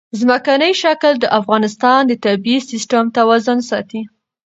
ځمکنی شکل د افغانستان د طبعي سیسټم توازن ساتي.